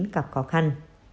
cặp khó khăn